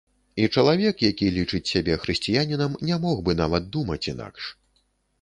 І чалавек, які лічыць сябе хрысціянінам, не мог бы нават думаць інакш.